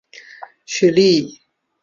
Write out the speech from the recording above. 许力以。